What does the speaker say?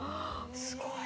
すごい！